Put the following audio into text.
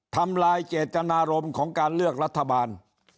ทำลายเจตนารมณ์ของการเลือกรัฐบาล